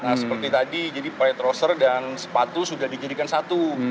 nah seperti tadi jadi pie trosser dan sepatu sudah dijadikan satu